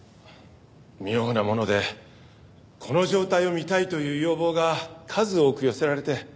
妙なものでこの状態を見たいという要望が数多く寄せられて。